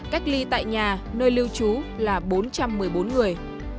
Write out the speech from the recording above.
cách ly tại nhà nơi lưu trú là bốn trăm một mươi bốn người